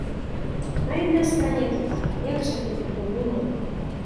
Na jedné straně je to tak, jak řekl Udo Bullmann.